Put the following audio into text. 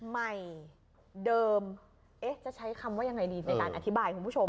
ใหม่เดิมเอ๊ะจะใช้คำว่ายังไงดีในการอธิบายคุณผู้ชม